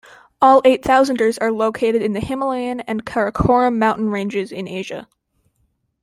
All eight-thousanders are located in the Himalayan and Karakoram mountain ranges in Asia.